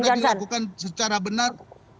apakah ini sudah dilakukan secara benar